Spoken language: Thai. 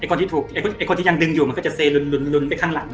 ไอ้คนที่ถูกไอ้คนที่ยังดึงอยู่มันก็จะเซลุนลุนลุนลุนไปข้างหลังนะฮะ